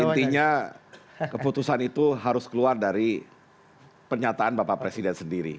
intinya keputusan itu harus keluar dari pernyataan bapak presiden sendiri